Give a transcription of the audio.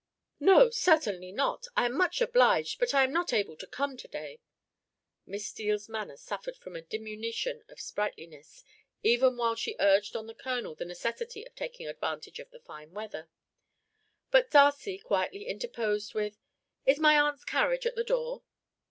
"No, certainly not. I am much obliged, but I am not able to come to day." Miss Steele's manner suffered from a diminution of sprightliness, even while she urged on the Colonel the necessity of taking advantage of the fine weather; but Darcy quietly interposed with: "Is my aunt's carriage at the door?"